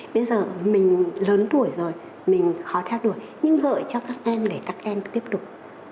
bây giờ mình lớn tuổi rồi mình khó theo đuổi nhưng gợi cho các em để các em tiếp tục